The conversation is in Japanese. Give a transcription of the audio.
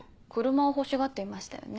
車を欲しがっていましたよね？